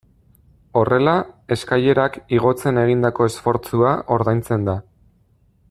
Horrela, eskailerak igotzen egindako esfortzua ordaintzen da.